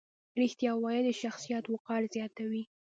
رښتیا ویل د شخصیت وقار زیاتوي.